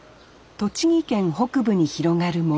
栃木県北部に広がる森。